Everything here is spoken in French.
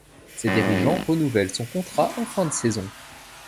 Ses dirigeants renouvellent son contrat en fin de saison.